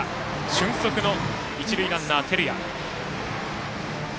俊足の一塁ランナー、照屋。